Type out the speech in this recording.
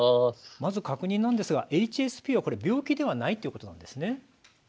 まず確認なんですがＨＳＰは病気ではないんですね。